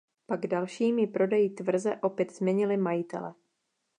Pak dalšími prodeji tvrze opět změnily majitele.